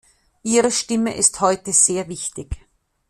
Ihre Stimme ist heute sehr wichtig.